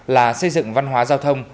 là xây dựng văn hóa giao thông